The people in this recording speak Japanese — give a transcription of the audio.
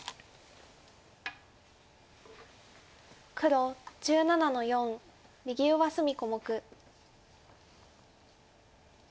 黒１７の四右上隅小目。